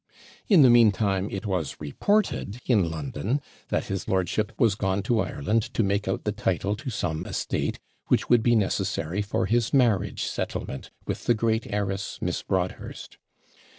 In the meantime, it was reported in London that his lordship was gone to Ireland to make out the title to some estate, which would be necessary for his marriage settlement with the great heiress, Miss Broadhurst.